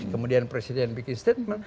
kemudian presiden bikin statement